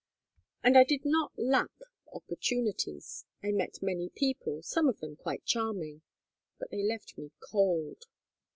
"And I did not lack opportunities. I met many people, some of them quite charming. But they left me cold.